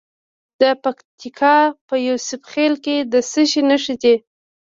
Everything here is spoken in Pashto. د پکتیکا په یوسف خیل کې د څه شي نښې دي؟